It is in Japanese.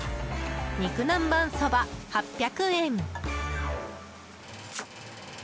肉南ばんそば、８００円。